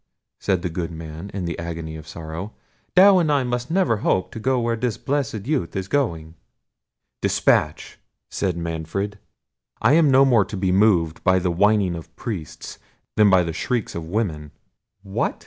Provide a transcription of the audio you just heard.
said the good man, in an agony of sorrow. "Thou and I must never hope to go where this blessed youth is going!" "Despatch!" said Manfred; "I am no more to be moved by the whining of priests than by the shrieks of women." "What!"